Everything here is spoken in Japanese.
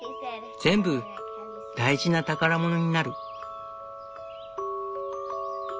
全部大事な宝物になる。